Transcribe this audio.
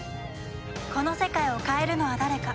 この世界を変えるのは誰か。